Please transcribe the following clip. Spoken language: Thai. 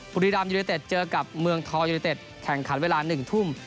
บุรีรามยูเนเต็ดเจอกับเมืองทองยูนิเต็ดแข่งขันเวลา๑ทุ่ม